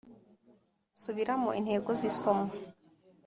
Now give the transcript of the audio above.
Subiramo intego z isomo